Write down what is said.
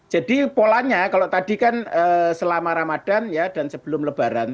jadi polanya kalau tadi kan selama ramadan ya dan sebelum lebaran